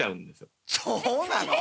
そうなの！？